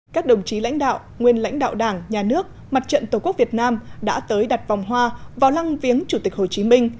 các đồng chí lãnh đạo nguyên lãnh đạo đảng nhà nước mặt trận tổ quốc việt nam đã tới đặt vòng hoa vào lăng viếng chủ tịch hồ chí minh